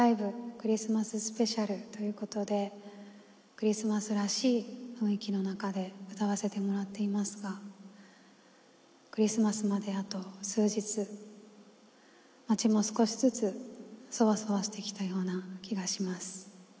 クリスマススペシャル」ということでクリスマスらしい雰囲気の中で歌わせてもらってますがクリスマスまであと数日、街も少しずつそわそわしてきたような気がします。